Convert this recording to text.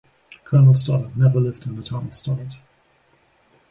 Colonel Stoddard never lived in the town of Stoddard.